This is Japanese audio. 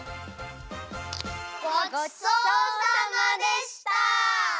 ごちそうさまでした！